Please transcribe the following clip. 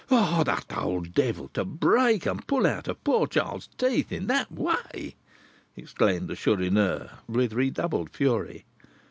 '" "The old devil! To break and pull out a poor child's teeth in that way!" exclaimed the Chourineur, with redoubled fury.